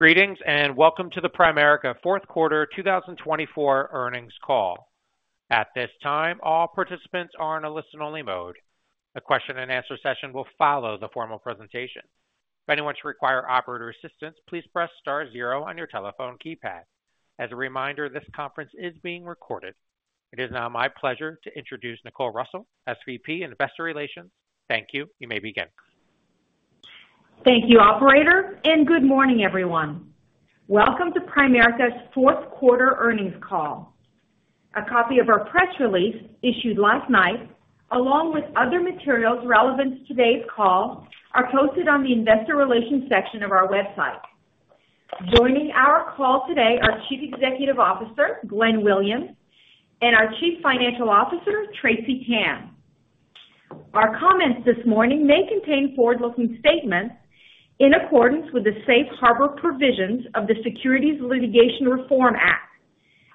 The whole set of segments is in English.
Greetings and welcome to the Primerica Fourth Quarter 2024 Earnings Call. At this time, all participants are in a listen-only mode. A question-and-answer session will follow the formal presentation. If anyone should require operator assistance, please press star zero on your telephone keypad. As a reminder, this conference is being recorded. It is now my pleasure to introduce Nicole Russell, SVP, Investor Relations. Thank you. You may begin. Thank you, Operator, and good morning, everyone. Welcome to Primerica's Fourth Quarter Earnings Call. A copy of our press release issued last night, along with other materials relevant to today's call, are posted on the Investor Relations section of our website. Joining our call today are Chief Executive Officer Glenn Williams and our Chief Financial Officer, Tracy Tan. Our comments this morning may contain forward-looking statements in accordance with the safe harbor provisions of the Securities Litigation Reform Act.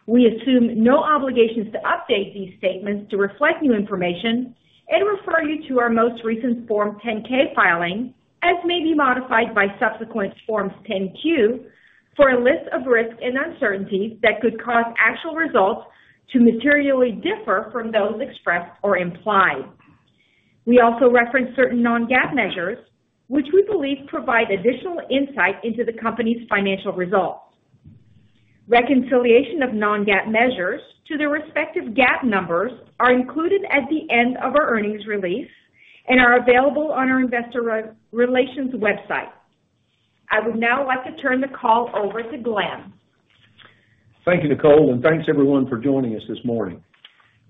We assume no obligations to update these statements to reflect new information and refer you to our most recent Form 10-K filing, as may be modified by subsequent Forms 10-Q for a list of risks and uncertainties that could cause actual results to materially differ from those expressed or implied. We also reference certain non-GAAP measures, which we believe provide additional insight into the company's financial results. Reconciliation of non-GAAP measures to their respective GAAP numbers are included at the end of our earnings release and are available on our Investor Relations website. I would now like to turn the call over to Glenn. Thank you, Nicole, and thanks, everyone, for joining us this morning.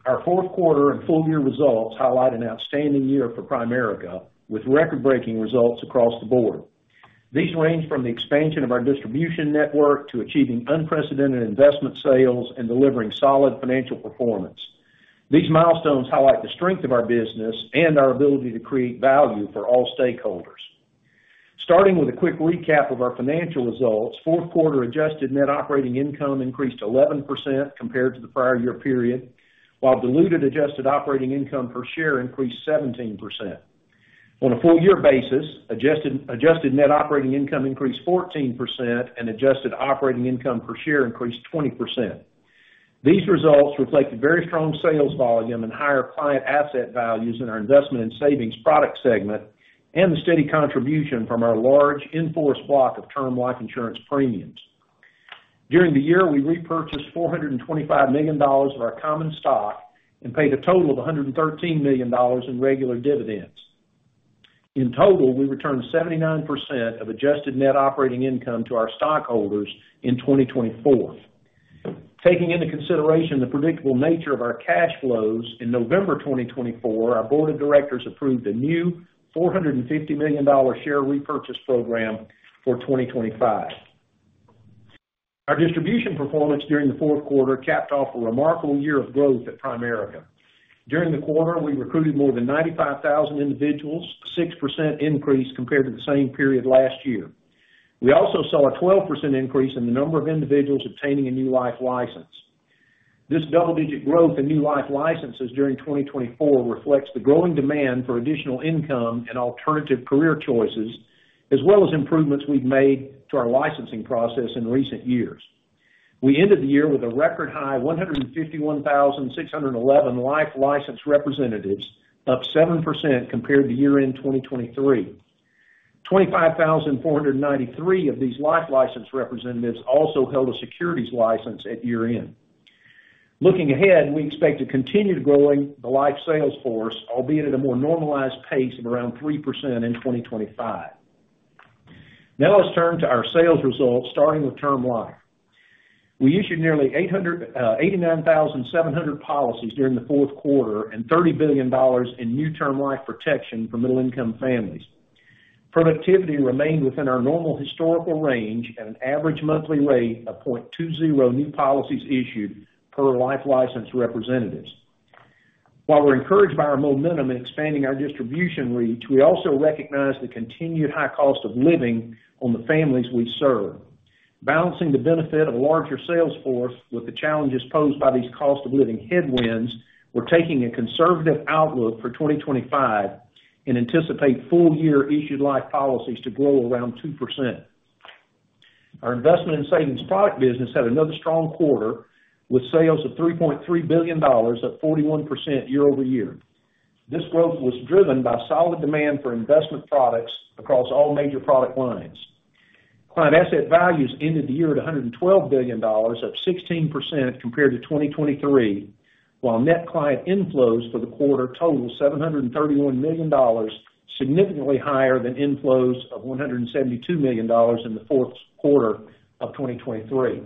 Our Fourth-Quarter and Full-Year Results highlight an outstanding year for Primerica with record-breaking results across the board. These range from the expansion of our distribution network to achieving unprecedented investment sales and delivering solid financial performance. These milestones highlight the strength of our business and our ability to create value for all stakeholders. Starting with a quick recap of our financial results, fourth-quarter Adjusted Net Operating Income increased 11% compared to the prior-year period, while Diluted Adjusted Operating Income per Share increased 17%. On a full-year basis, Adjusted Net Operating Income increased 14%, and Adjusted Operating Income per Share increased 20%. These results reflect a very strong sales volume and higher client asset values in our Investment and Savings Products segment, and the steady contribution from our large in-force block of Term Life Insurance premiums. During the year, we repurchased $425 million of our common stock and paid a total of $113 million in regular dividends. In total, we returned 79% of Adjusted Net Operating Income to our stockholders in 2024. Taking into consideration the predictable nature of our cash flows in November 2024, our Board of Directors approved a new $450 million share repurchase program for 2025. Our distribution performance during the fourth quarter capped off a remarkable year of growth at Primerica. During the quarter, we recruited more than 95,000 individuals, a 6% increase compared to the same period last year. We also saw a 12% increase in the number of individuals obtaining a new life license. This double-digit growth in new life licenses during 2024 reflects the growing demand for additional income and alternative career choices, as well as improvements we've made to our licensing process in recent years. We ended the year with a record high of 151,611 life-license representatives, up 7% compared to year-end 2023. 25,493 of these life-license representatives also held a securities license at year-end. Looking ahead, we expect to continue growing the Life Sales Force, albeit at a more normalized pace of around 3% in 2025. Now let's turn to our sales results, starting with Term Life. We issued nearly 89,700 policies during the fourth quarter and $30 billion in new term life protection for middle-income families. Productivity remained within our normal historical range at an average monthly rate of 0.20 new policies issued per life-license representatives. While we're encouraged by our momentum in expanding our distribution reach, we also recognize the continued high cost of living on the families we serve. Balancing the benefit of a larger sales force with the challenges posed by these cost-of-living headwinds, we're taking a conservative outlook for 2025 and anticipate full-year issued life policies to grow around 2%. Our Investment and Savings Product business had another strong quarter with sales of $3.3 billion at 41% year-over-year. This growth was driven by solid demand for Investment Products across all major product lines. Client Asset Values ended the year at $112 billion, up 16% compared to 2023, while Net Client Inflows for the quarter totaled $731 million, significantly higher than inflows of $172 million in the fourth quarter of 2023.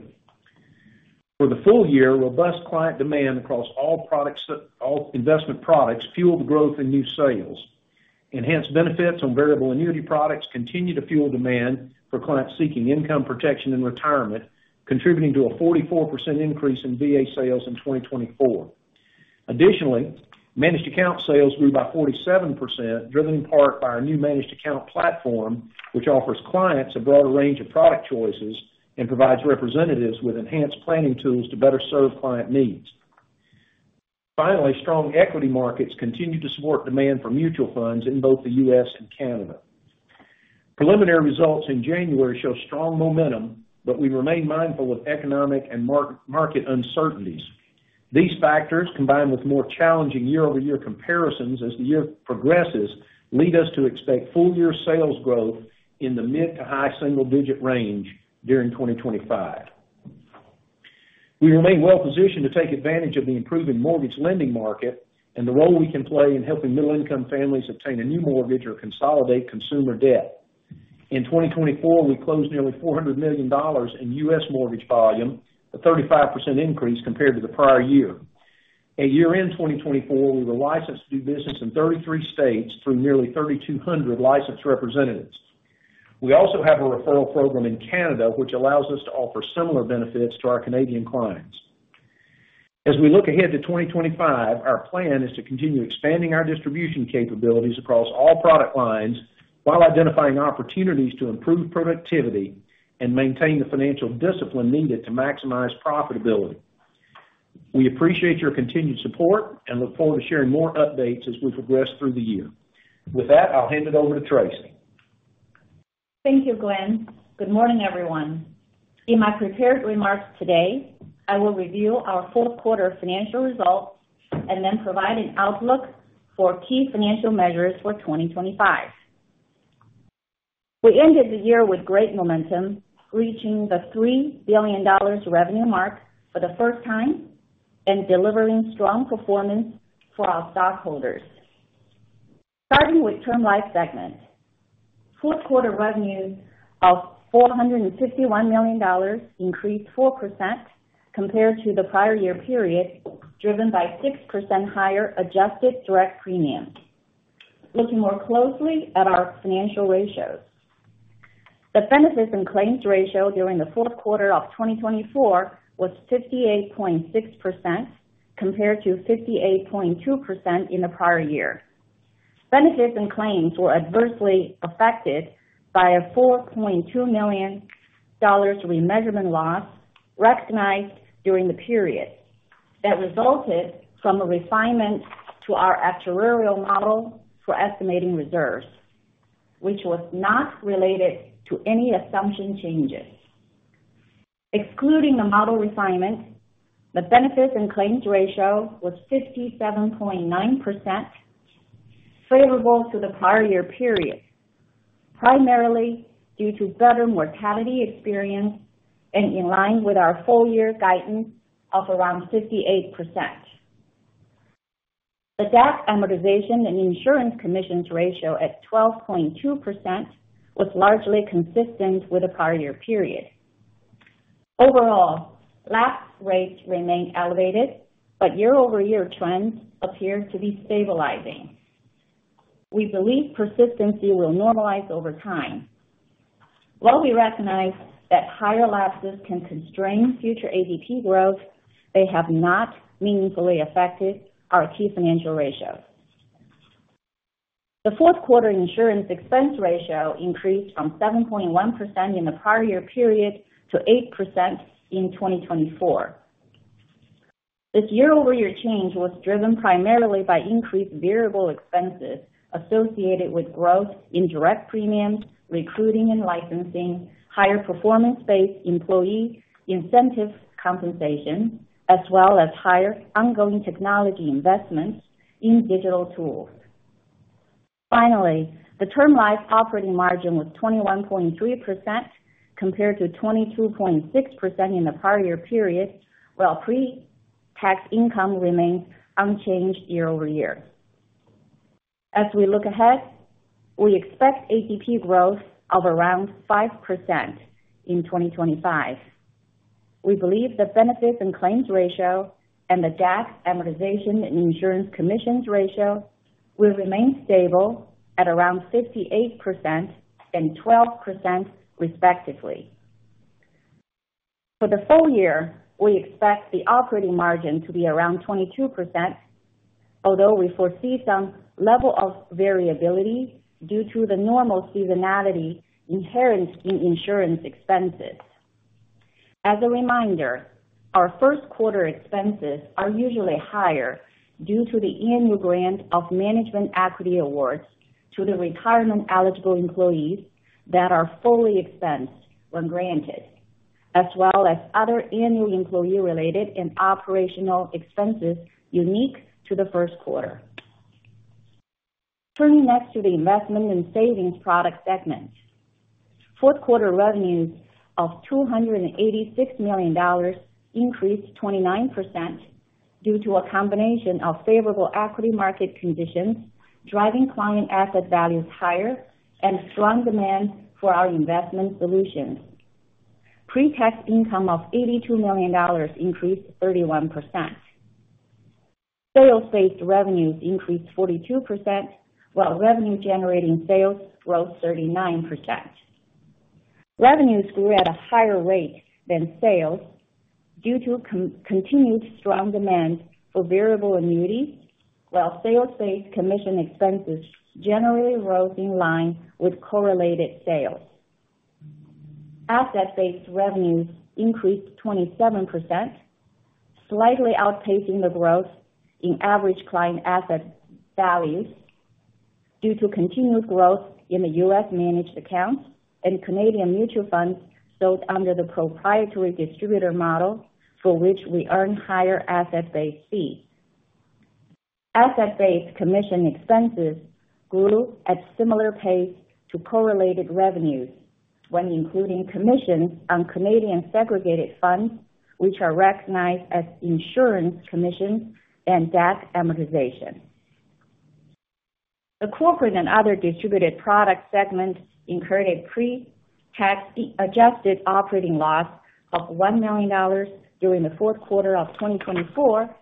For the full year, robust client demand across all investment products fueled growth in new sales. Enhanced benefits on Variable Annuity Products continue to fuel demand for clients seeking Income Protection and Retirement, contributing to a 44% increase in VA sales in 2024. Additionally, Managed Account Sales grew by 47%, driven in part by our new managed account platform, which offers clients a broader range of product choices and provides representatives with enhanced planning tools to better serve client needs. Finally, strong equity markets continue to support demand for mutual funds in both the U.S. and Canada. Preliminary results in January show strong momentum, but we remain mindful of economic and market uncertainties. These factors, combined with more challenging year-over-year comparisons as the year progresses, lead us to expect full-year sales growth in the mid to high single-digit range during 2025. We remain well-positioned to take advantage of the improving mortgage lending market and the role we can play in helping middle-income families obtain a new mortgage or consolidate consumer debt. In 2024, we closed nearly $400 million in U.S. mortgage volume, a 35% increase compared to the prior year. At year-end 2024, we were licensed to do business in 33 states through nearly 3,200 licensed representatives. We also have a referral program in Canada, which allows us to offer similar benefits to our Canadian clients. As we look ahead to 2025, our plan is to continue expanding our distribution capabilities across all product lines while identifying opportunities to improve productivity and maintain the financial discipline needed to maximize profitability. We appreciate your continued support and look forward to sharing more updates as we progress through the year. With that, I'll hand it over to Tracy. Thank you, Glenn. Good morning, everyone. In my prepared remarks today, I will review our Fourth Quarter Financial Results and then provide an outlook for key financial measures for 2025. We ended the year with great momentum, reaching the $3 billion revenue mark for the first time and delivering strong performance for our stockholders. Starting with Term Life segment, Fourth Quarter Revenues of $451 million increased 4% compared to the prior-year period, driven by 6% higher adjusted direct premium. Looking more closely at our financial ratios, the Benefits and Claims ratio during the fourth quarter of 2024 was 58.6% compared to 58.2% in the prior year. Benefits and Claims were adversely affected by a $4.2 million remeasurement loss recognized during the period that resulted from a refinement to our actuarial model for estimating reserves, which was not related to any assumption changes. Excluding the model refinement, the Benefits and Claims ratio was 57.9%, favorable to the prior-year period, primarily due to better mortality experience and in line with our full-year guidance of around 58%. The DAC Amortization and Insurance Commissions ratio at 12.2% was largely consistent with the prior year period. Overall, lapse rates remain elevated, but year-over-year trends appear to be stabilizing. We believe persistency will normalize over time. While we recognize that higher lapses can constrain future ADP growth, they have not meaningfully affected our key financial ratios. The Fourth Quarter Insurance Expense ratio increased from 7.1% in the prior year period to 8% in 2024. This year-over-year change was driven primarily by increased variable expenses associated with growth in direct premiums, recruiting and licensing, higher performance-based employee incentive compensation, as well as higher ongoing technology investments in digital tools. Finally, the Term Life operating margin was 21.3% compared to 22.6% in the prior-year period, while pre-tax income remains unchanged year-over-year. As we look ahead, we expect ADP growth of around 5% in 2025. We believe the Benefits and Claims ratio and the DAC Amortization and Insurance Commissions ratio will remain stable at around 58% and 12%, respectively. For the full year, we expect the operating margin to be around 22%, although we foresee some level of variability due to the normal seasonality inherent in insurance expenses. As a reminder, our first quarter expenses are usually higher due to the annual grant of management equity awards to the retirement-eligible employees that are fully expensed when granted, as well as other annual employee-related and operational expenses unique to the first quarter. Turning next to the Investment and Savings Product segment, Fourth Quarter Revenues of $286 million increased 29% due to a combination of favorable equity market conditions driving client asset values higher and strong demand for our investment solutions. Pre-tax income of $82 million increased 31%. Sales-based revenues increased 42%, while revenue-generating sales rose 39%. Revenues grew at a higher rate than sales due to continued strong demand for variable annuities, while sales-based commission expenses generally rose in line with correlated sales. Asset-based revenues increased 27%, slightly outpacing the growth in average client asset values due to continued growth in the U.S. managed accounts and Canadian mutual funds sold under the proprietary distributor model, for which we earn higher asset-based fees. Asset-based commission expenses grew at similar pace to correlated revenues when including commissions on Canadian segregated funds, which are recognized as insurance commissions and DAC amortization. The Corporate and Other Distributed Products segment incurred a Pre-Tax Adjusted Operating Loss of $1 million during the fourth quarter of 2024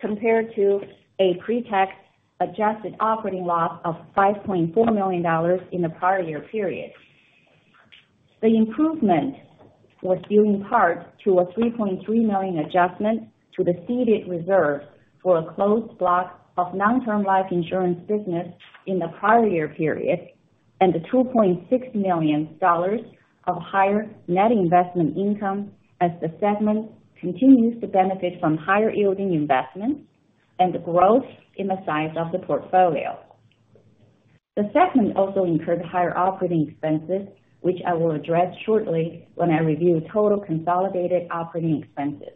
compared to a Pre-tax Adjusted Operating Loss of $5.4 million in the prior-year period. The improvement was due in part to a $3.3 million adjustment to the ceded reserve for a closed block of non-term life insurance business in the prior-year period and the $2.6 million of higher net investment income as the segment continues to benefit from higher-yielding investments and the growth in the size of the portfolio. The segment also incurred higher operating expenses, which I will address shortly when I review total consolidated operating expenses.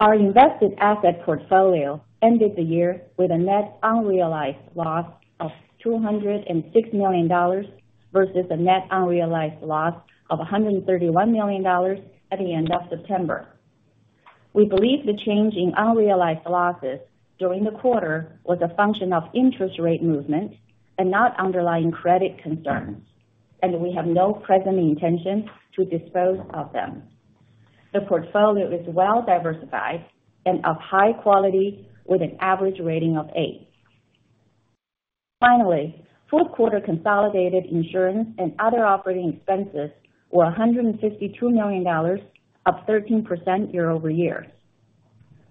Our invested asset portfolio ended the year with a net unrealized loss of $206 million versus a net unrealized loss of $131 million at the end of September. We believe the change in unrealized losses during the quarter was a function of interest rate movement and not underlying credit concerns, and we have no present intention to dispose of them. The portfolio is well-diversified and of high quality, with an average rating of A. Finally, fourth quarter consolidated insurance and other operating expenses were $152 million, up 13% year-over-year.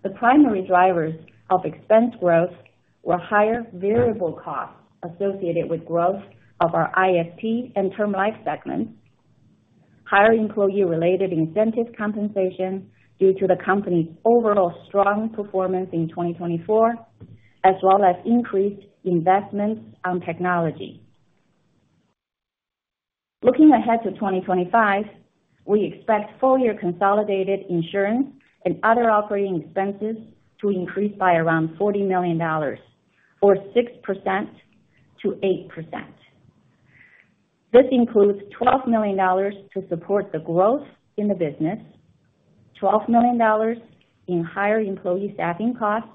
The primary drivers of expense growth were higher variable costs associated with growth of our IFP and Term Life segments, higher employee-related incentive compensation due to the company's overall strong performance in 2024, as well as increased investments on technology. Looking ahead to 2025, we expect full-year consolidated insurance and other operating expenses to increase by around $40 million, or 6%-8%. This includes $12 million to support the growth in the business, $12 million in higher employee staffing costs,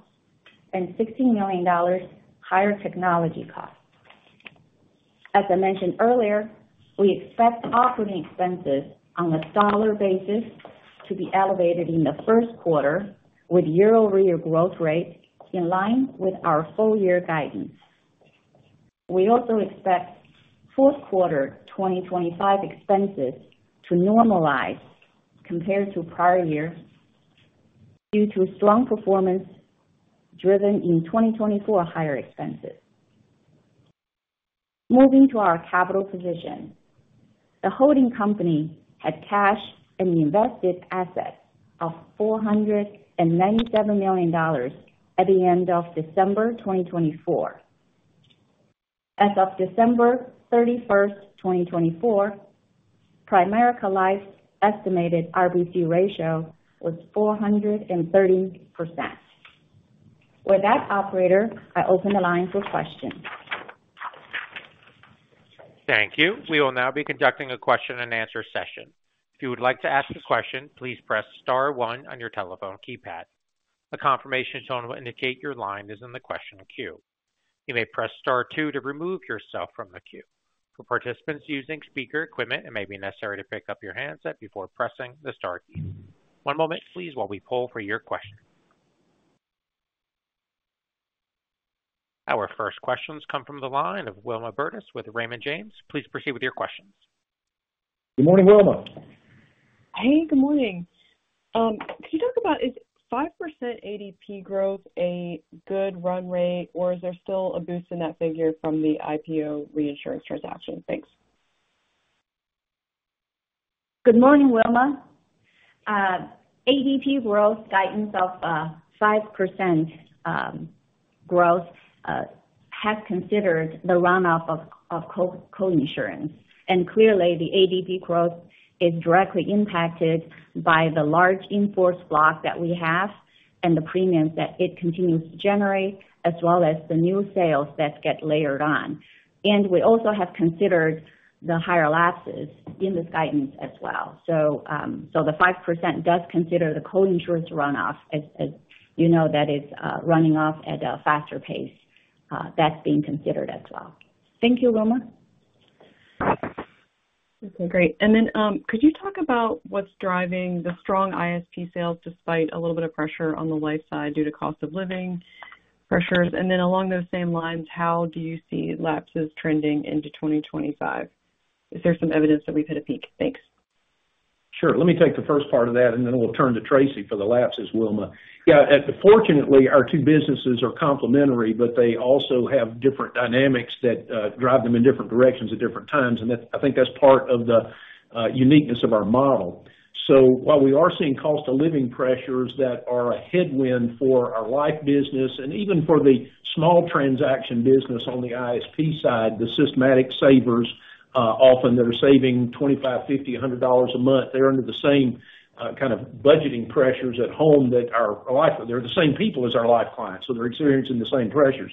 and $16 million higher technology costs. As I mentioned earlier, we expect operating expenses on a dollar basis to be elevated in the first quarter, with year-over-year growth rate in line with our full-year guidance. We also expect fourth quarter 2025 expenses to normalize compared to prior year due to strong performance driven in 2024 higher expenses. Moving to our capital position, the holding company had cash and invested assets of $497 million at the end of December 2024. As of December 31, 2024, Primerica Life's estimated RBC ratio was 430%. With that, Operator, I open the line for questions. Thank you. We will now be conducting a question-and-answer session. If you would like to ask a question, please press star one on your telephone keypad. A confirmation tone will indicate your line is in the question queue. You may press star two to remove yourself from the queue. For participants using speaker equipment, it may be necessary to pick up your handset before pressing the star key. One moment, please, while we pull for your question. Our first questions come from the line of Wilma Burdis with Raymond James. Please proceed with your questions. Good morning, Wilma. Hey, good morning. Could you talk about, is 5% ADP growth a good run rate, or is there still a boost in that figure from the IPO reinsurance transaction? Thanks. Good morning, Wilma. ADP growth guidance of 5% growth has considered the runoff of co-insurance, and clearly, the ADP growth is directly impacted by the large inforce block that we have and the premiums that it continues to generate, as well as the new sales that get layered on. And we also have considered the higher lapses in this guidance as well. So the 5% does consider the co-insurance runoff, as you know, that is running off at a faster pace. That's being considered as well. Thank you, Wilma. Okay, great. And then could you talk about what's driving the strong ISP sales despite a little bit of pressure on the life side due to cost of living pressures? And then along those same lines, how do you see lapses trending into 2025? Is there some evidence that we've hit a peak? Thanks. Sure. Let me take the first part of that, and then we'll turn to Tracy for the lapses, Wilma. Yeah, fortunately, our two businesses are complementary, but they also have different dynamics that drive them in different directions at different times, and I think that's part of the uniqueness of our model. So while we are seeing cost of living pressures that are a headwind for our life business and even for the small transaction business on the ISP side, the systematic savers, often they're saving $25, $50, $100 a month. They're under the same kind of budgeting pressures at home that are a life - they're the same people as our life clients, so they're experiencing the same pressures.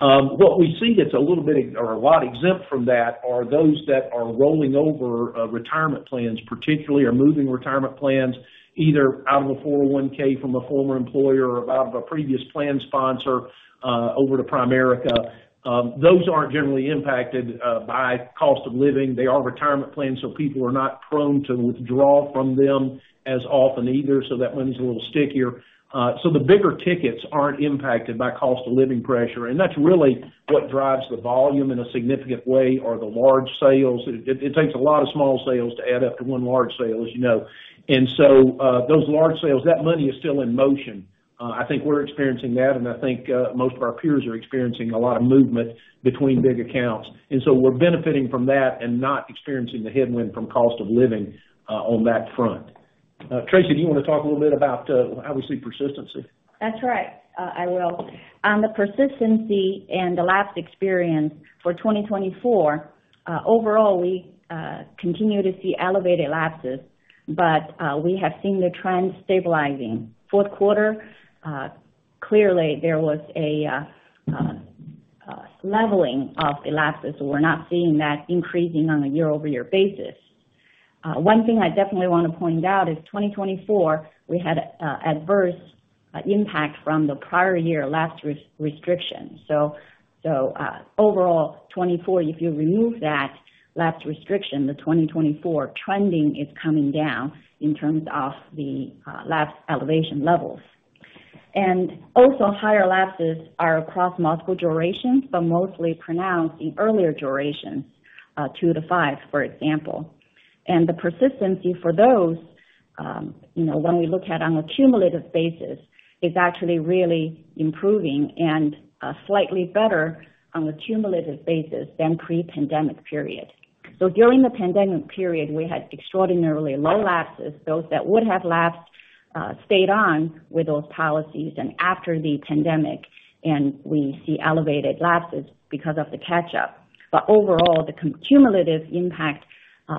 What we see that's a little bit or a lot exempt from that are those that are rolling over retirement plans, particularly are moving retirement plans, either out of a 401(k) from a former employer or out of a previous plan sponsor over to Primerica. Those aren't generally impacted by cost of living. They are retirement plans, so people are not prone to withdraw from them as often either, so that money's a little stickier. So the bigger tickets aren't impacted by cost of living pressure, and that's really what drives the volume in a significant way, or the large sales. It takes a lot of small sales to add up to one large sale, as you know. And so those large sales, that money is still in motion. I think we're experiencing that, and I think most of our peers are experiencing a lot of movement between big accounts. So we're benefiting from that and not experiencing the headwind from cost of living on that front. Tracy, do you want to talk a little bit about, obviously, persistency? That's right. I will. On the persistency and the lapse experience for 2024, overall, we continue to see elevated lapses, but we have seen the trend stabilizing. Fourth quarter, clearly, there was a leveling of the lapses, so we're not seeing that increasing on a year-over-year basis. One thing I definitely want to point out is 2024, we had an adverse impact from the prior year lapse restriction. So overall, 2024, if you remove that lapse restriction, the 2024 trending is coming down in terms of the lapse elevation levels. And also, higher lapses are across multiple durations, but mostly pronounced in earlier durations, two to five, for example. And the persistency for those, when we look at a cumulative basis, is actually really improving and slightly better on the cumulative basis than pre-pandemic period. So during the pandemic period, we had extraordinarily low lapses. Those that would have lapsed stayed on with those policies after the pandemic, and we see elevated lapses because of the catch-up. But overall, the cumulative impact,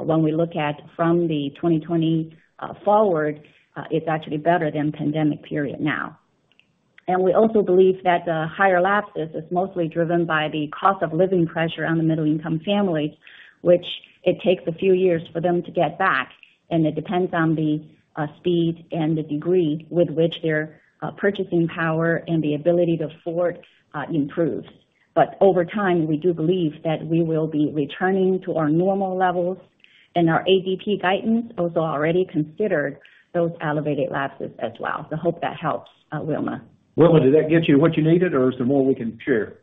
when we look at from the 2020 forward, is actually better than pandemic period now, and we also believe that the higher lapses is mostly driven by the cost of living pressure on the middle-income families, which it takes a few years for them to get back, and it depends on the speed and the degree with which their purchasing power and the ability to afford improves. But over time, we do believe that we will be returning to our normal levels, and our ADP guidance also already considered those elevated lapses as well, so I hope that helps, Wilma. Wilma, did that get you what you needed, or is there more we can share?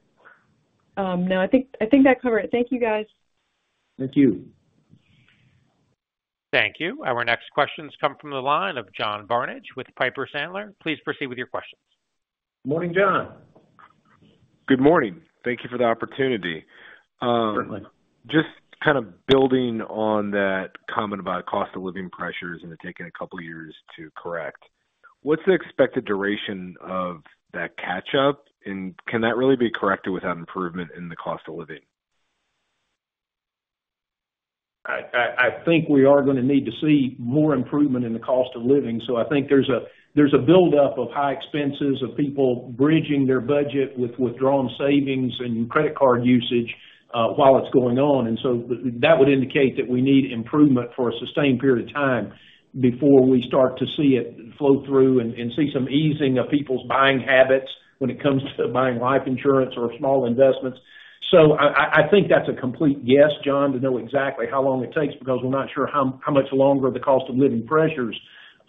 No, I think that covered it. Thank you, guys. Thank you. Thank you. Our next questions come from the line of John Barnidge with Piper Sandler. Please proceed with your questions. Good morning, John. Good morning. Thank you for the opportunity. Certainly. Just kind of building on that comment about cost of living pressures and it taking a couple of years to correct, what's the expected duration of that catch-up, and can that really be corrected without improvement in the cost of living? I think we are going to need to see more improvement in the cost of living, so I think there's a buildup of high expenses of people bridging their budget with withdrawn savings and credit card usage while it's going on, and so that would indicate that we need improvement for a sustained period of time before we start to see it flow through and see some easing of people's buying habits when it comes to buying life insurance or small investments. So I think that's a complete guess, John, to know exactly how long it takes because we're not sure how much longer the cost of living pressures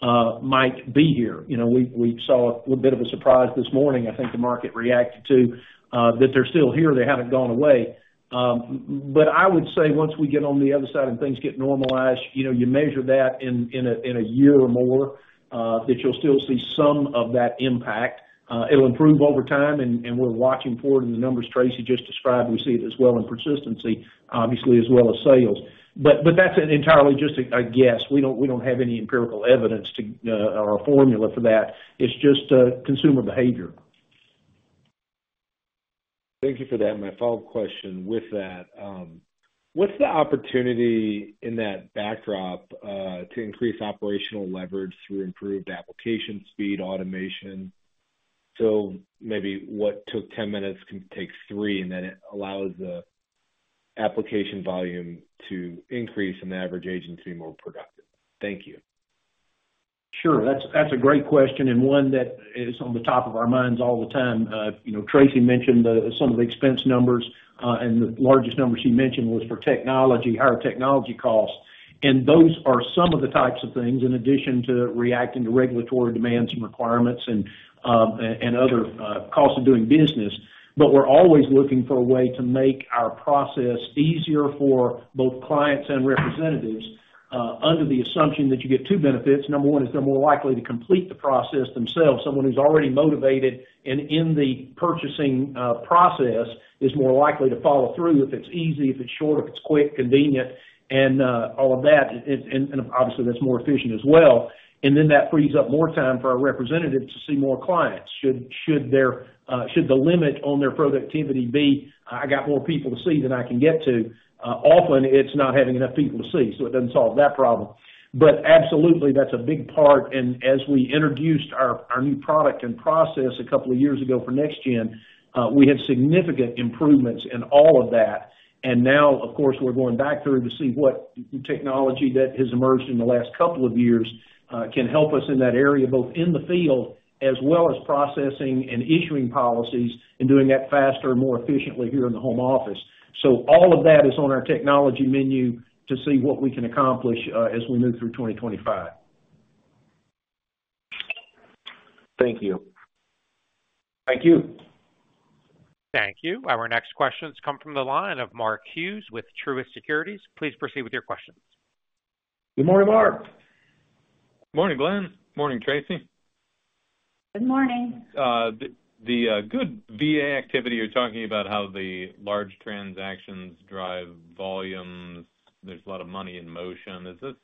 might be here. We saw a little bit of a surprise this morning. I think the market reacted to that they're still here. They haven't gone away. But I would say once we get on the other side and things get normalized, you measure that in a year or more, that you'll still see some of that impact. It'll improve over time, and we're watching for it in the numbers Tracy just described. We see it as well in persistency, obviously, as well as sales. But that's entirely just a guess. We don't have any empirical evidence or a formula for that. It's just consumer behavior. Thank you for that. My follow-up question with that. What's the opportunity in that backdrop to increase operational leverage through improved application speed, automation? So maybe what took 10 minutes can take three, and then it allows the application volume to increase and the average agency more productive. Thank you. Sure. That's a great question and one that is on the top of our minds all the time. Tracy mentioned some of the expense numbers, and the largest numbers she mentioned was for technology, higher technology costs. And those are some of the types of things in addition to reacting to regulatory demands and requirements and other costs of doing business. But we're always looking for a way to make our process easier for both clients and representatives under the assumption that you get two benefits. Number one is they're more likely to complete the process themselves. Someone who's already motivated and in the purchasing process is more likely to follow through if it's easy, if it's short, if it's quick, convenient, and all of that. And obviously, that's more efficient as well. And then that frees up more time for our representatives to see more clients. Should the limit on their productivity be, "I got more people to see than I can get to," often it's not having enough people to see, so it doesn't solve that problem. But absolutely, that's a big part. And as we introduced our new product and process a couple of years ago for NextGen, we had significant improvements in all of that. And now, of course, we're going back through to see what technology that has emerged in the last couple of years can help us in that area, both in the field as well as processing and issuing policies and doing that faster and more efficiently here in the home office. So all of that is on our technology menu to see what we can accomplish as we move through 2025. Thank you. Thank you. Thank you. Our next questions come from the line of Mark Hughes with Truist Securities. Please proceed with your questions. Good morning, Mark. Good morning, Glenn. Morning, Tracy. Good morning. The good VA activity you're talking about, how the large transactions drive volumes, there's a lot of money in motion. Is this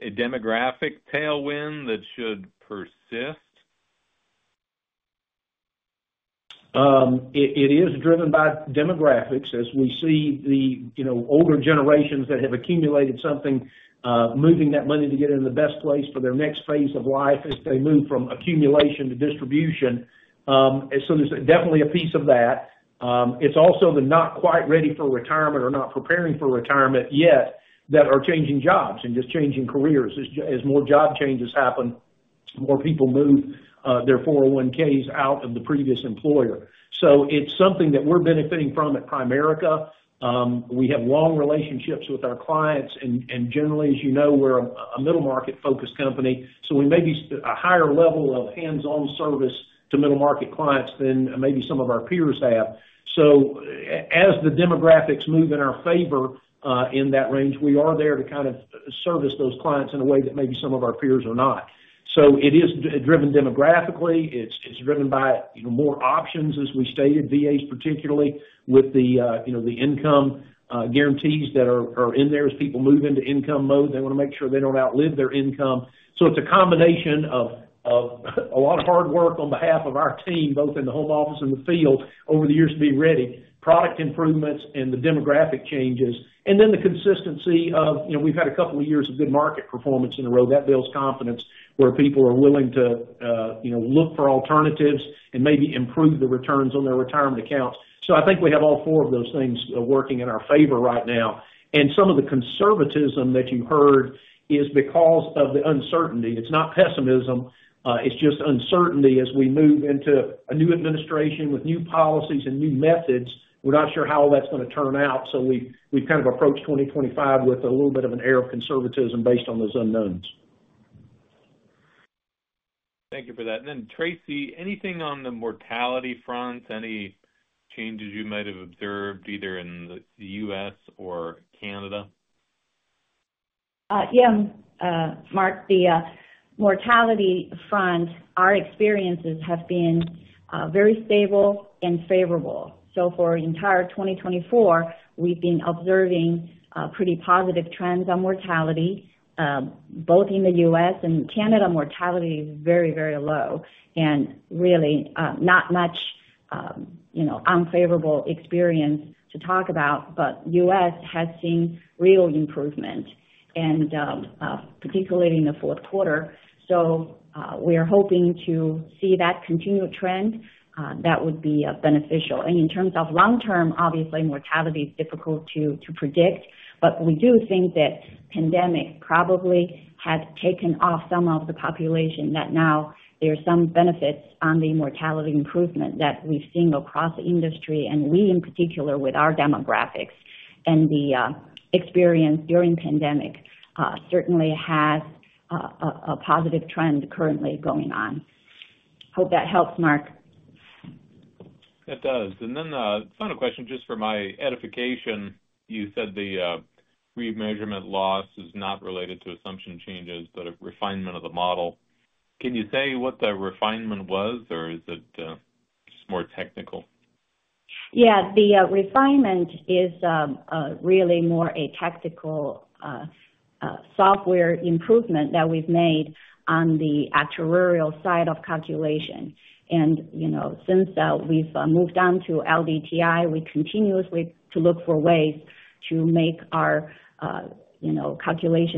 a demographic tailwind that should persist? It is driven by demographics as we see the older generations that have accumulated something moving that money to get in the best place for their next phase of life as they move from accumulation to distribution. So there's definitely a piece of that. It's also the not quite ready for retirement or not preparing for retirement yet that are changing jobs and just changing careers. As more job changes happen, more people move their 401(k)s out of the previous employer. So it's something that we're benefiting from at Primerica. We have long relationships with our clients, and generally, as you know, we're a middle-market-focused company. So we may be a higher level of hands-on service to middle-market clients than maybe some of our peers have. So as the demographics move in our favor in that range, we are there to kind of service those clients in a way that maybe some of our peers are not. So it is driven demographically. It's driven by more options, as we stated, VAs particularly, with the income guarantees that are in there as people move into income mode. They want to make sure they don't outlive their income. So it's a combination of a lot of hard work on behalf of our team, both in the home office and the field over the years to be ready, product improvements, and the demographic changes. And then the consistency of we've had a couple of years of good market performance in a row. That builds confidence where people are willing to look for alternatives and maybe improve the returns on their retirement accounts. So I think we have all four of those things working in our favor right now. And some of the conservatism that you heard is because of the uncertainty. It's not pessimism. It's just uncertainty as we move into a new administration with new policies and new methods. We're not sure how that's going to turn out, so we've kind of approached 2025 with a little bit of an air of conservatism based on those unknowns. Thank you for that, and then Tracy, anything on the mortality front? Any changes you might have observed either in the U.S. or Canada? Yeah. Mark, the mortality front, our experiences have been very stable and favorable, so for the entire 2024, we've been observing pretty positive trends on mortality, both in the U.S. and Canada mortality is very, very low and really not much unfavorable experience to talk about, but the U.S. has seen real improvement, particularly in the fourth quarter. So we are hoping to see that continual trend. That would be beneficial, and in terms of long-term, obviously, mortality is difficult to predict, but we do think that the pandemic probably had taken off some of the population that now there are some benefits on the mortality improvement that we've seen across the industry, and we in particular, with our demographics and the experience during the pandemic, certainly has a positive trend currently going on. Hope that helps, Mark. It does, and then the final question, just for my edification, you said the remeasurement loss is not related to assumption changes, but a refinement of the model. Can you say what the refinement was, or is it just more technical? Yeah. The refinement is really more a tactical software improvement that we've made on the actuarial side of calculation. And since we've moved on to LDTI, we continuously look for ways to make our calculation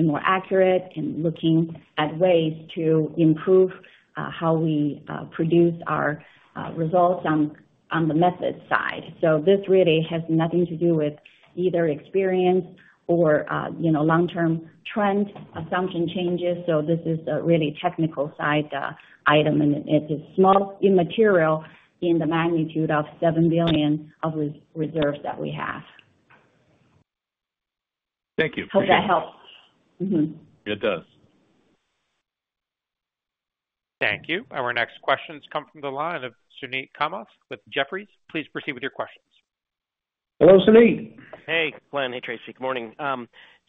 more accurate and looking at ways to improve how we produce our results on the method side. So this really has nothing to do with either experience or long-term trend assumption changes. So this is a really technical side item, and it is small, immaterial in the magnitude of $7 billion of reserves that we have. Thank you. Hope that helps. It does. Thank you. Our next questions come from the line of Suneet Kamath with Jefferies. Please proceed with your questions. Hello, Suneet. Hey, Glenn. Hey, Tracy. Good morning.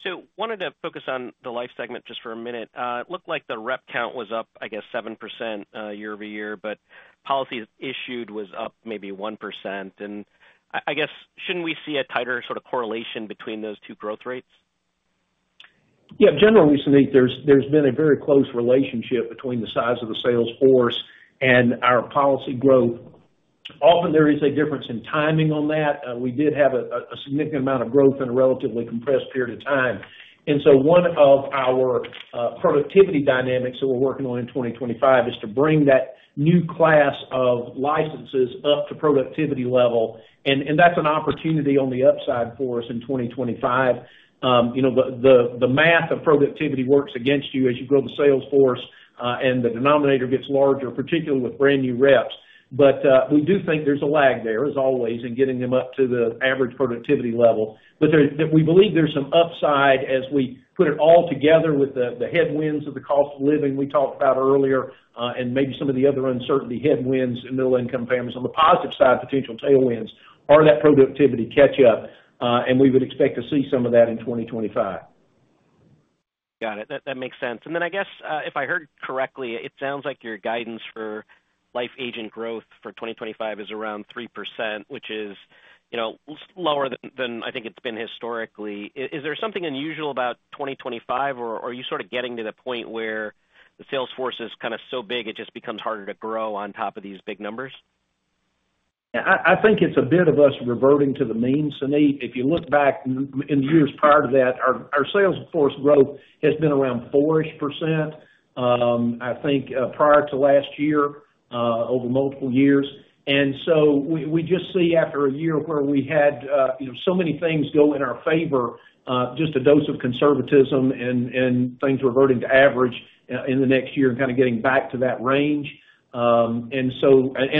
So wanted to focus on the life segment just for a minute. It looked like the rep count was up, I guess, 7% year-over-year, but policy issued was up maybe 1%. And I guess, shouldn't we see a tighter sort of correlation between those two growth rates? Yeah. Generally, Suneet, there's been a very close relationship between the size of the sales force and our policy growth. Often, there is a difference in timing on that. We did have a significant amount of growth in a relatively compressed period of time. And so one of our productivity dynamics that we're working on in 2025 is to bring that new class of licensees up to productivity level. And that's an opportunity on the upside for us in 2025. The math of productivity works against you as you grow the sales force, and the denominator gets larger, particularly with brand new reps. But we do think there's a lag there, as always, in getting them up to the average productivity level. But we believe there's some upside as we put it all together with the headwinds of the cost of living we talked about earlier and maybe some of the other uncertainty headwinds in middle-income families. On the positive side, potential tailwinds are that productivity catch-up, and we would expect to see some of that in 2025. Got it. That makes sense. And then I guess, if I heard correctly, it sounds like your guidance for life agent growth for 2025 is around 3%, which is lower than I think it's been historically. Is there something unusual about 2025, or are you sort of getting to the point where the sales force is kind of so big it just becomes harder to grow on top of these big numbers? Yeah. I think it's a bit of us reverting to the mean, Suneet. If you look back in the years prior to that, our sales force growth has been around 4-ish%, I think, prior to last year over multiple years. And so we just see after a year where we had so many things go in our favor, just a dose of conservatism and things reverting to average in the next year and kind of getting back to that range. And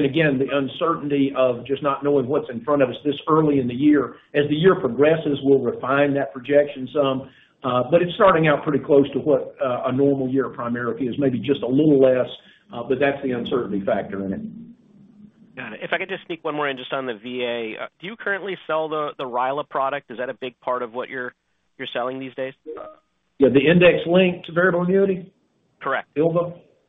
again, the uncertainty of just not knowing what's in front of us this early in the year. As the year progresses, we'll refine that projection some, but it's starting out pretty close to what a normal year at Primerica is, maybe just a little less, but that's the uncertainty factor in it. Got it. If I could just sneak one more in just on the VA, do you currently sell the RILA product? Is that a big part of what you're selling these days? Yeah. The Index-Linked Variable Annuity? Correct.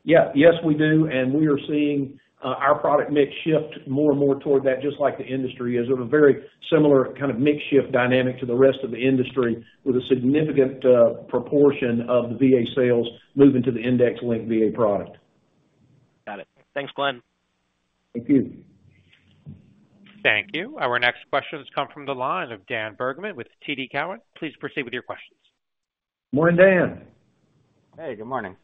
Yeah. Yes, we do. And we are seeing our product mix shift more and more toward that, just like the industry is, of a very similar kind of mixed-shift dynamic to the rest of the industry, with a significant proportion of the VA sales moving to the index-linked VA product. Got it. Thanks, Glenn. Thank you. Thank you. Our next questions come from the line of Dan Bergman with TD Cowen. Please proceed with your questions. Morning, Dan. Hey, good morning.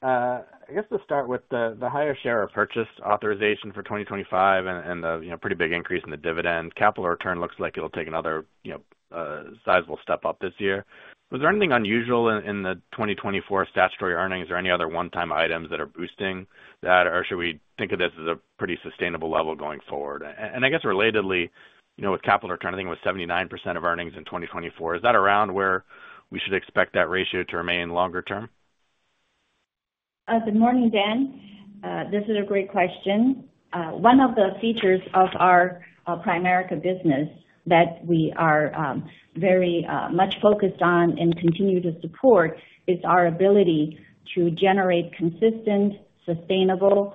I guess to start with, the higher share repurchase authorization for 2025 and the pretty big increase in the dividend, capital return looks like it'll take another sizable step up this year. Was there anything unusual in the 2024 statutory earnings or any other one-time items that are boosting that, or should we think of this as a pretty sustainable level going forward? And I guess relatedly, with capital return, I think it was 79% of earnings in 2024. Is that around where we should expect that ratio to remain longer term? Good morning, Dan. This is a great question. One of the features of our Primerica business that we are very much focused on and continue to support is our ability to generate consistent, sustainable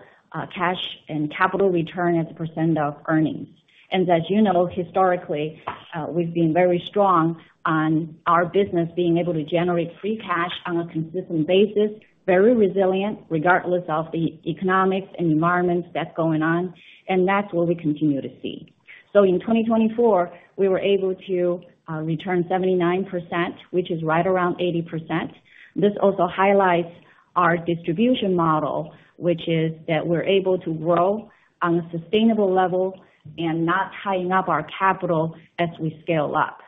cash and capital return as a percent of earnings. And as you know, historically, we've been very strong on our business being able to generate free cash on a consistent basis, very resilient regardless of the economics and environments that's going on, and that's what we continue to see, so in 2024, we were able to return 79%, which is right around 80%. This also highlights our distribution model, which is that we're able to grow on a sustainable level and not tying up our capital as we scale up.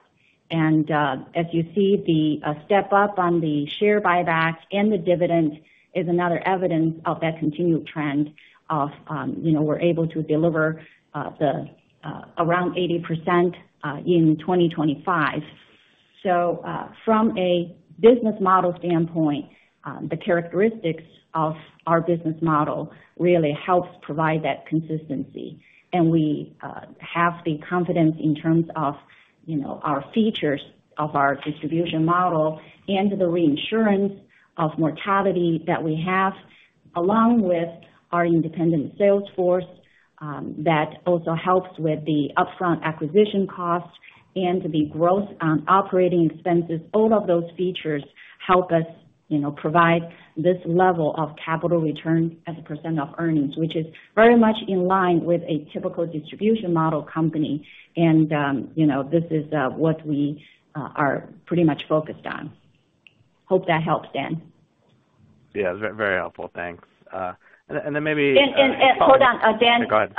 As you see, the step up on the share buyback and the dividend is another evidence of that continued trend of we're able to deliver around 80% in 2025. So from a business model standpoint, the characteristics of our business model really helps provide that consistency. We have the confidence in terms of our features of our distribution model and the reinsurance of mortality that we have, along with our independent sales force that also helps with the upfront acquisition costs and the growth on operating expenses. All of those features help us provide this level of capital return as a % of earnings, which is very much in line with a typical distribution model company. This is what we are pretty much focused on. Hope that helps, Dan. Yeah. Very helpful. Thanks. And then maybe. Hold on. Dan. Okay go ahead.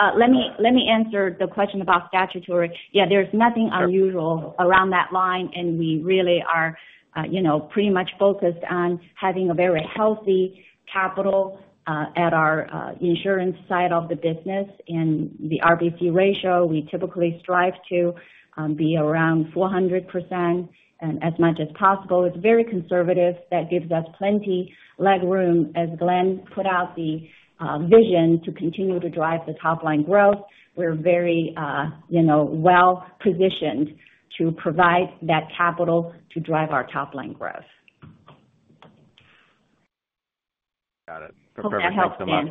Let me answer the question about statutory. Yeah. There's nothing unusual around that line, and we really are pretty much focused on having a very healthy capital at our insurance side of the business, and the RBC ratio, we typically strive to be around 400% and as much as possible. It's very conservative. That gives us plenty of leg room. As Glenn put out the vision to continue to drive the top-line growth, we're very well-positioned to provide that capital to drive our top-line growth. Got it. Perfect. Hope that helps Dan.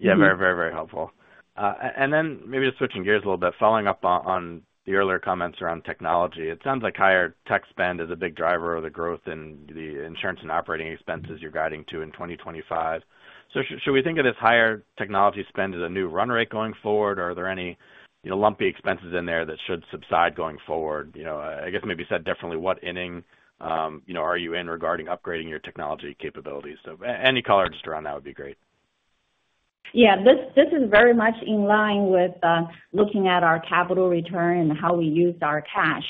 Yeah. Very, very, very helpful. And then maybe just switching gears a little bit, following up on the earlier comments around technology, it sounds like higher tech spend is a big driver of the growth in the insurance and operating expenses you're guiding to in 2025. So should we think of this higher technology spend as a new run rate going forward, or are there any lumpy expenses in there that should subside going forward? I guess maybe said differently, what inning are you in regarding upgrading your technology capabilities? So any color just around that would be great. Yeah. This is very much in line with looking at our capital return and how we use our cash.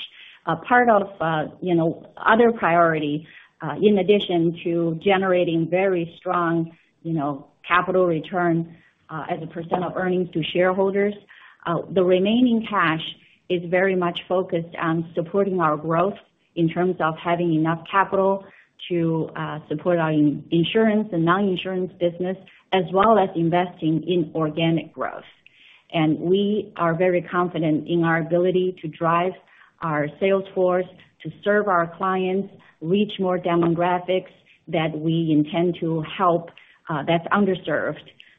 Part of other priority, in addition to generating very strong capital return as a percent of earnings to shareholders, the remaining cash is very much focused on supporting our growth in terms of having enough capital to support our insurance and non-insurance business, as well as investing in organic growth. And we are very confident in our ability to drive our sales force to serve our clients, reach more demographics that we intend to help that's underserved.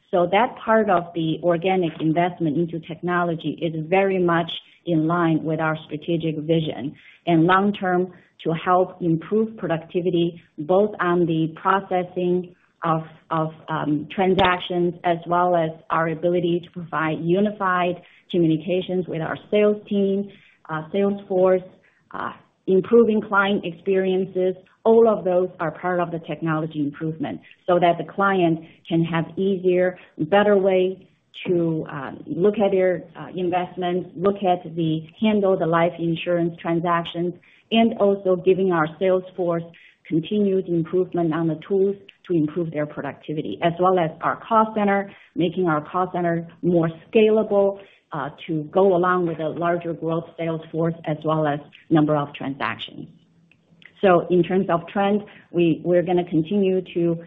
So that part of the organic investment into technology is very much in line with our strategic vision and long-term to help improve productivity, both on the processing of transactions as well as our ability to provide unified communications with our sales team, sales force, improving client experiences. All of those are part of the technology improvement so that the client can have an easier, better way to look at their investments, look at and handle the life insurance transactions, and also giving our sales force continued improvement on the tools to improve their productivity, as well as our cost center, making our cost center more scalable to go along with a larger growth sales force as well as number of transactions. So in terms of trend, we're going to continue to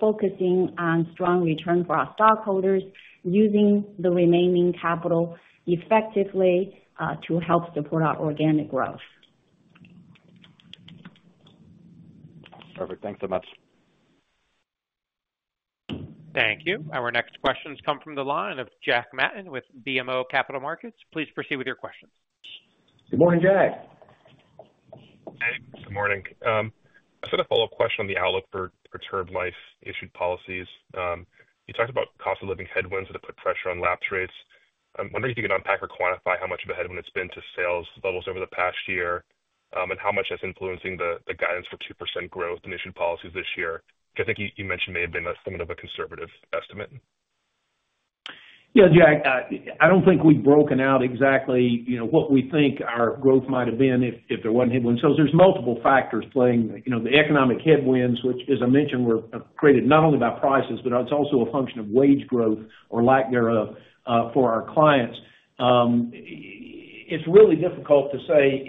focusing on strong returns for our stockholders, using the remaining capital effectively to help support our organic growth. Perfect. Thanks so much. Thank you. Our next questions come from the line of Jack Matten with BMO Capital Markets. Please proceed with your questions. Good morning, Jack. Hey. Good morning. I just had a follow-up question on the outlook for term life issued policies. You talked about cost of living headwinds that have put pressure on lapse rates. I'm wondering if you can unpack or quantify how much of a headwind it's been to sales levels over the past year and how much that's influencing the guidance for 2% growth in issued policies this year, which I think you mentioned may have been somewhat of a conservative estimate. Yeah. Jack, I don't think we've broken out exactly what we think our growth might have been if there wasn't headwinds. So there's multiple factors playing. The economic headwinds, which, as I mentioned, were created not only by prices, but it's also a function of wage growth or lack thereof for our clients. It's really difficult to say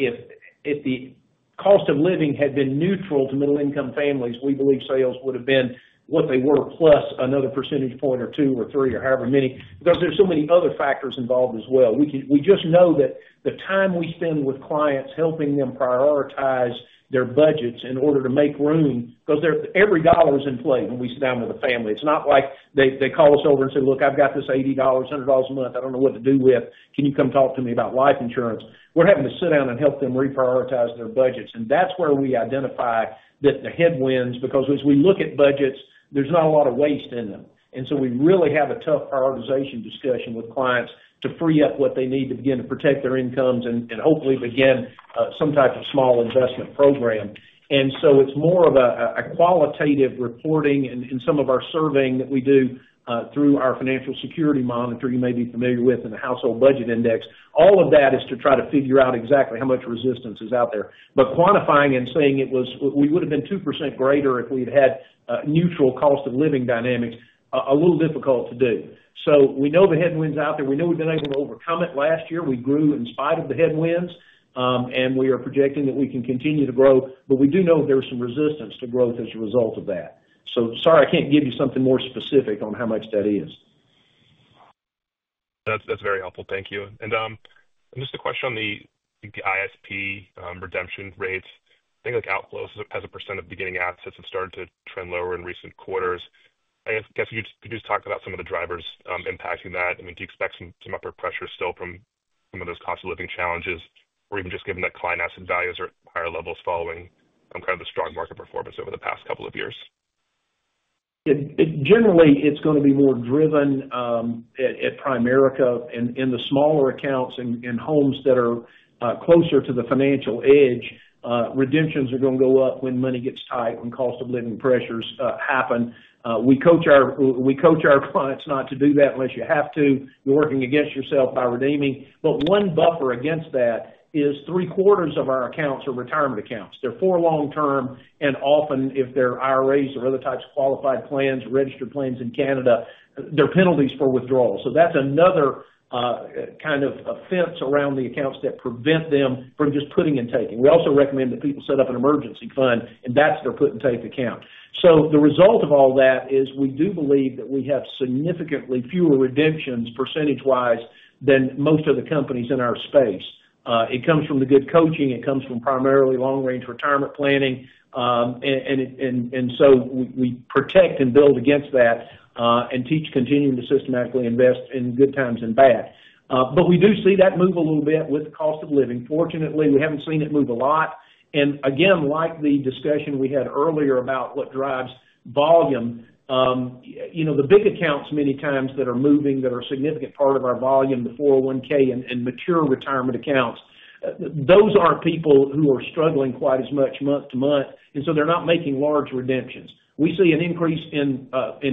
if the cost of living had been neutral to middle-income families, we believe sales would have been what they were, plus another percentage point or two or three or however many, because there's so many other factors involved as well. We just know that the time we spend with clients helping them prioritize their budgets in order to make room because every dollar is in play when we sit down with a family. It's not like they call us over and say, "Look, I've got this $80-$100 a month. I don't know what to do with. Can you come talk to me about life insurance?" We're having to sit down and help them reprioritize their budgets. And that's where we identify the headwinds, because as we look at budgets, there's not a lot of waste in them, and so we really have a tough prioritization discussion with clients to free up what they need to begin to protect their incomes and hopefully begin some type of small investment program. And so it's more of a qualitative reporting in some of our surveying that we do through our Financial Security Monitor you may be familiar with and the Household Budget Index. All of that is to try to figure out exactly how much resistance is out there. But quantifying and saying it would have been 2% greater if we had had neutral cost of living dynamics is a little difficult to do. So we know the headwinds out there. We know we've been able to overcome it last year. We grew in spite of the headwinds, and we are projecting that we can continue to grow. But we do know there's some resistance to growth as a result of that. So sorry, I can't give you something more specific on how much that is. That's very helpful. Thank you. And just a question on the ISP redemption rates. I think outflow has a % of beginning assets that started to trend lower in recent quarters. I guess could you just talk about some of the drivers impacting that? I mean, do you expect some upward pressure still from some of those cost of living challenges, or even just given that client asset values are at higher levels following kind of the strong market performance over the past couple of years? Generally, it's going to be more driven at Primerica. In the smaller accounts and homes that are closer to the financial edge, redemptions are going to go up when money gets tight, when cost of living pressures happen. We coach our clients not to do that unless you have to. You're working against yourself by redeeming, but one buffer against that is three-quarters of our accounts are retirement accounts. They're for long-term, and often if they're IRAs or other types of qualified plans, registered plans in Canada, they're penalties for withdrawal. So that's another kind of fence around the accounts that prevent them from just putting and taking. We also recommend that people set up an emergency fund, and that's their put-and-take account. So the result of all that is we do believe that we have significantly fewer redemptions percentage-wise than most of the companies in our space. It comes from the good coaching. It comes from primarily long-range retirement planning, and so we protect and build against that and teach continuing to systematically invest in good times and bad, but we do see that move a little bit with cost of living. Fortunately, we haven't seen it move a lot, and again, like the discussion we had earlier about what drives volume, the big accounts many times that are moving, that are a significant part of our volume, the 401(k) and mature retirement accounts, those aren't people who are struggling quite as much month to month, and so they're not making large redemptions. We see an increase in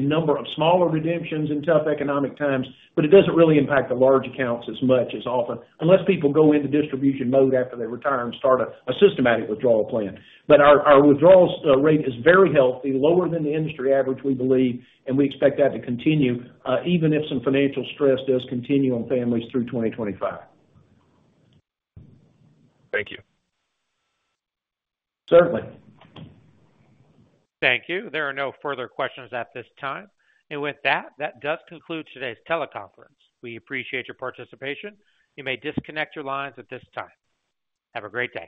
number of smaller redemptions in tough economic times, but it doesn't really impact the large accounts as much as often, unless people go into distribution mode after they retire and start a systematic withdrawal plan. But our withdrawal rate is very healthy, lower than the industry average, we believe, and we expect that to continue even if some financial stress does continue on families through 2025. Thank you. Certainly. Thank you. There are no further questions at this time. And with that, that does conclude today's teleconference. We appreciate your participation. You may disconnect your lines at this time. Have a great day.